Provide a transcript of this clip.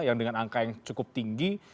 yang dengan angka yang cukup tinggi